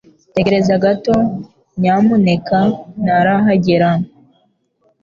Tegereza gato nyamuneka. Ntarahagera